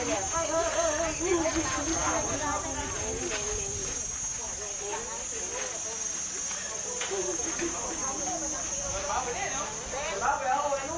รถน้ำหน้า